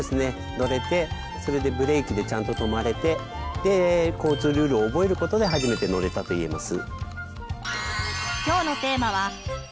乗れてそれでブレーキでちゃんと止まれてで交通ルールを覚えることで初めて乗れたと言えます。